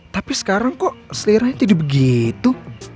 tapi sekarang kok seleranya jadi begitu